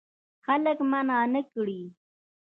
خلک منع نه کړې.